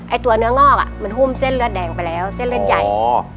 ตัวเนื้องอกอ่ะมันหุ้มเส้นเลือดแดงไปแล้วเส้นเลือดใหญ่อ๋อ